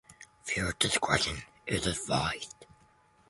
Viewer discretion is advised.